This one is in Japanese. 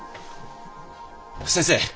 先生！